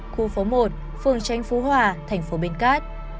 khu phố một phường tranh phú hòa thành phố bến cát